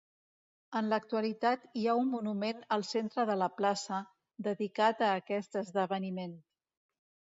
En l'actualitat hi ha un monument al centre de la plaça, dedicat a aquest esdeveniment.